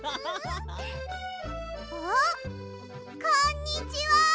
こんにちは！